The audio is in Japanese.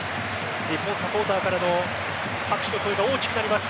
日本サポーターからの拍手の声が大きくなります。